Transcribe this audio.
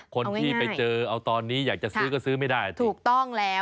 คนที่ไปเจอเอาตอนนี้อยากจะซื้อก็ซื้อไม่ได้ถูกต้องแล้ว